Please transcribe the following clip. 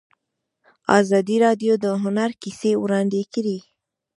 ازادي راډیو د هنر کیسې وړاندې کړي.